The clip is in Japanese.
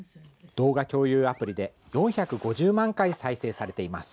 動画共有アプリで、４５０万回再生されています。